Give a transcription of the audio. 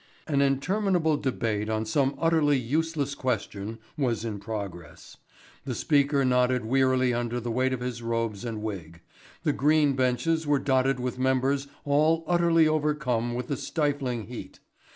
An interminable debate on some utterly useless question was in progress, the Speaker nodded wearily under the weight of his robes and wig, the green benches were dotted with members all utterly overcome with the stifling heat.